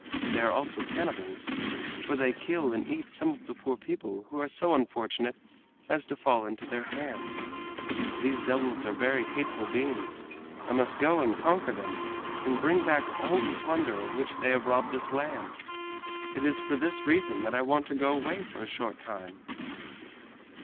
They are also cannibals, for they kill and eat some of the poor people who are so unfortunate as to fall into their hands. These devils are very hateful beings. I must go and conquer them and bring back all the plunder of which they have robbed this land. It is for this reason that I want to go away for a short time!"